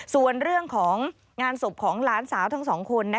ส่วนเรื่องของงานศพของหลานสาวทั้งสองคน